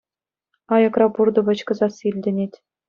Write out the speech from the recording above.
Аякра пуртӑ-пӑчкӑ сасси илтӗнет.